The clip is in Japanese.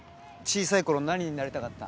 小さいころ何になりたかった？